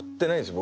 僕。